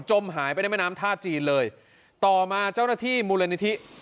หายไปในแม่น้ำท่าจีนเลยต่อมาเจ้าหน้าที่มูลนิธิ